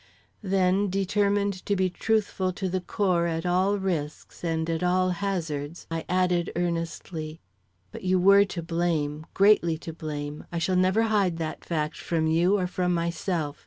Then, determined to be truthful to the core at all risks and at all hazards, I added earnestly, "But you were to blame; greatly to blame; I shall never hide that fact from you or from myself.